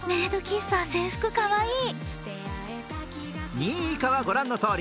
２位以下はご覧のとおり。